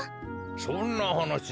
そんなはなし